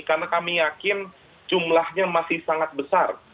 karena kami yakin jumlahnya masih sangat besar